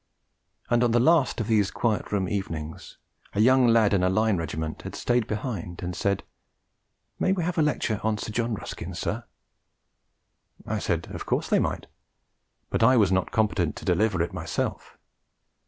And on the last of these Quiet Room Evenings, a young lad in a Line regiment had stayed behind and said: 'May we have a lecture on Sir John Ruskin, sir?' I said of course they might but I was not competent to deliver it myself.